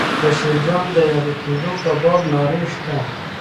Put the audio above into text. د شیرجان د یاغي کېدو په باب نارې شته.